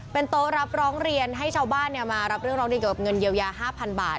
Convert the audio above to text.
เป็นโต๊ะรับร้องเรียนให้ชาวบ้านมารับเรื่องร้องเรียนเกี่ยวกับเงินเยียวยา๕๐๐๐บาท